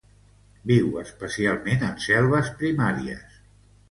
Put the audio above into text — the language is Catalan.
Viu especialment en selves primàries.